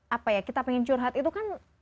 apa ya kita pengen curhat itu kan